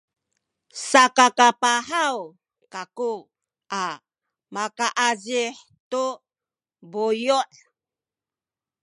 sakakapahaw kaku a makaazih tu bayu’.